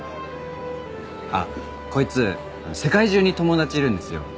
あっこいつ世界中に友達いるんですよ。